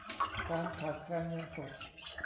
การขาดแคลนเงินสด